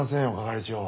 係長。